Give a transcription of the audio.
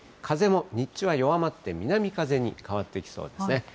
風も日中は弱まって南風に変わってきそうですね。